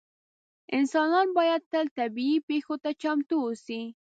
انسانان باید تل طبیعي پېښو ته چمتو اووسي.